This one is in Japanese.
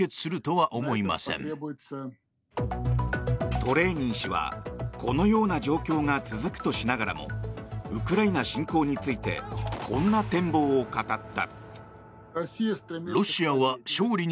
トレーニン氏はこのような状況が続くとしながらもウクライナ侵攻についてこんな展望を語った。